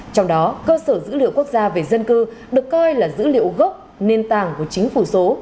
trong đó cơ sở dữ liệu quốc gia về dân cư được coi là dữ liệu gốc nền tảng của chính phủ số